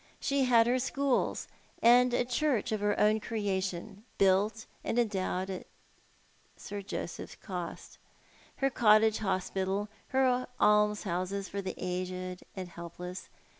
She had her schools, and a church of her own crea tion, built and endowed at Sir Joseph's cost; her cottage hospital; her almshouses for the aged and helpless.